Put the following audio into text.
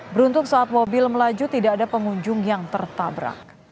beruntung saat mobil melaju tidak ada pengunjung yang tertabrak